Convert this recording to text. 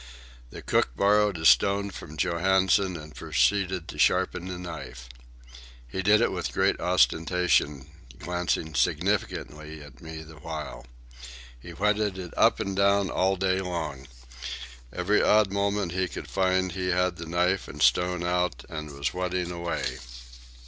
The cook borrowed a stone from Johansen and proceeded to sharpen the knife. He did it with great ostentation, glancing significantly at me the while. He whetted it up and down all day long. Every odd moment he could find he had the knife and stone out and was whetting away.